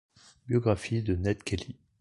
Biographie de Ned Kelly.